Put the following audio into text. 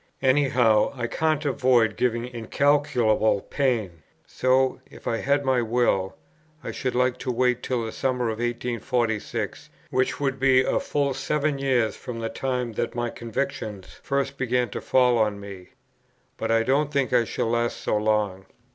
Any how, I can't avoid giving incalculable pain. So, if I had my will, I should like to wait till the summer of 1846, which would be a full seven years from the time that my convictions first began to fall on me. But I don't think I shall last so long.